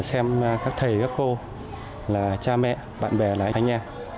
xem các thầy các cô là cha mẹ bạn bè là anh em